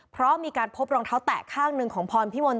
เพราะมีการพบรองเท้าแตะข้างหนึ่งของพรพิมล